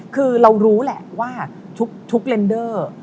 คือเรารู้แหละว่าทุกเลนเดอร์